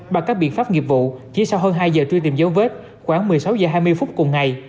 bằng các biện pháp nghiệp vụ chỉ sau hơn hai giờ truy tìm dấu vết khoảng một mươi sáu h hai mươi phút cùng ngày